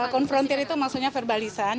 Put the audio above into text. konfrontir itu maksudnya verbalisan